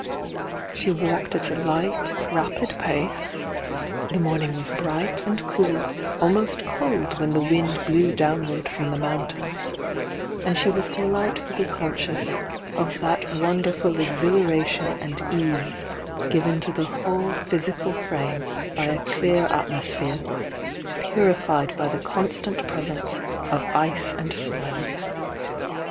She walked at a light, rapid pace — the morning was bright and cool, almost cold when the wind blew downward from the mountains, and she was delightfully conscious of that wonder ful exhilaration and ease given to the whole physical frame by a clear atmosphere, purified by the con stant presence of ice and snow.